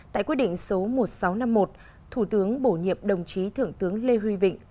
tại quyết định số một nghìn sáu trăm năm mươi một thủ tướng bổ nhiệm đồng chí thượng tướng lê huy vịnh